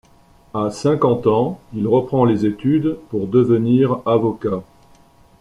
À cinquante ans, il reprend les études pour devenir avocat.